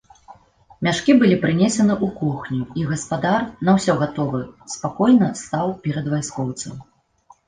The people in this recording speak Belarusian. Мяшкі былі прынесены ў кухню, і гаспадар, на ўсё гатовы, спакойна стаў перад вайскоўцам.